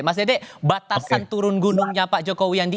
mas dede batasan turun gunungnya pak jokowi